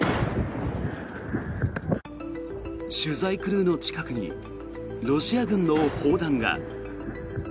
取材クルーの近くにロシア軍の砲弾が。